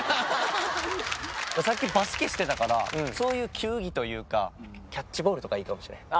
さっきバスケしてたからそういう球技というかキャッチボールとかいいかも。